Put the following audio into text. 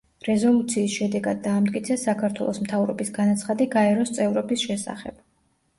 რეზოლუციის შედეგად დაამტკიცეს საქართველოს მთავრობის განაცხადი გაეროს წევრობის შესახებ.